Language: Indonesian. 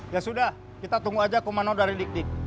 ya sudah kita tunggu aja komando dari dik dik